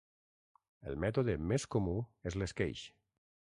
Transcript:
El mètode més comú és l'esqueix.